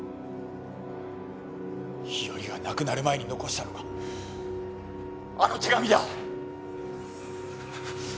日和が亡くなる前に残したのがあの手紙だ！